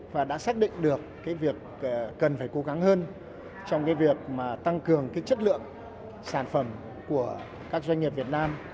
và đã xác định được cái việc cần phải cố gắng hơn trong cái việc mà tăng cường cái chất lượng sản phẩm của các doanh nghiệp việt nam